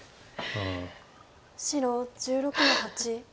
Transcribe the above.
白１６の八。